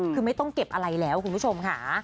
คือไม่ต้องเก็บอะไรแล้วคุณผู้ชมค่ะ